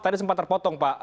tadi sempat terpotong pak